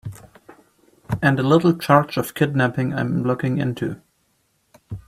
And a little charge of kidnapping I'm looking into.